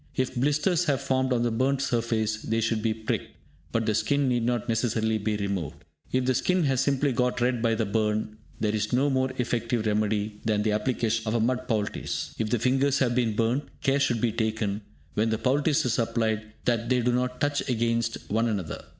If blisters have formed on the burnt surface, they should be pricked, but the skin need not necessarily be removed. If the skin has simply got red by the burn, there is no more effective remedy than the application of a mud poultice. If the fingers have been burnt, care should be taken, when the poultice is applied, that they do not touch against one another.